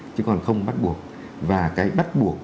chứ còn không bắt buộc